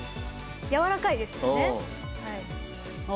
やわらかいですよね。